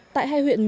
tại hai huyện